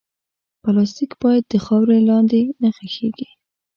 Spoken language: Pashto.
پلاستيک باید د خاورې لاندې نه ښخېږي.